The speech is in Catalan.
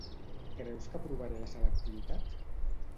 Creus que aprovaré la selectivitat?